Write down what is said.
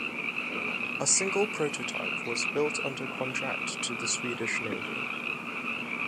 A single prototype was built under contract to the Swedish Navy.